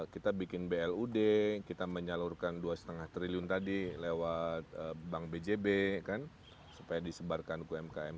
kita bikin blud kita menyalurkan dua lima triliun tadi lewat bank bjb supaya disebarkan ke umkm